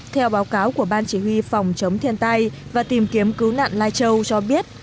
theo báo cáo của ban chỉ huy phòng chống thiên tai và tìm kiếm cứu nạn lai châu cho biết